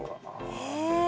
へえ